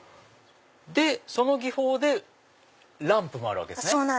その技法でランプもあるわけですね。